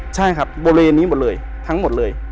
ใช่ครับบริเวณนี้หมดเลยทั้งหมดเลย